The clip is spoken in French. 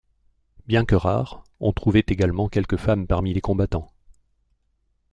Bien que rares, on trouvait également quelques femmes parmi les combattants.